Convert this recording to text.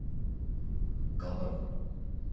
頑張るから。